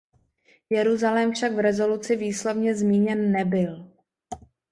Jeruzalém však v rezoluci výslovně zmíněn nebyl.